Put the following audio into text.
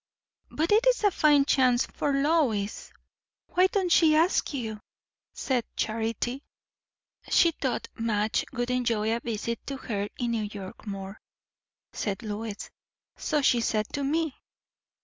But it is a fine chance for Lois." "Why don't she ask you?" said Charity. "She thought Madge would enjoy a visit to her in New York more," said Lois. "So she said to me."